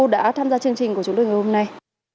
đã tham gia chương trình của chúng tôi ngày hôm nay